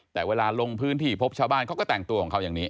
แต่เวลาลงพื้นที่พบชาวบ้านเขาก็แต่งตัวของเขาอย่างนี้